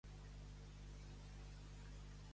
Anar d'ací i d'allí.